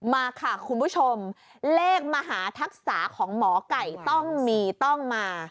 มาค่ะคุณผู้ชมเลขมหาทักษะของหมอไก่ต้องมีต้องมา